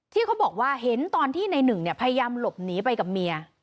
เขาบอกว่าเห็นตอนที่ในหนึ่งเนี่ยพยายามหลบหนีไปกับเมีย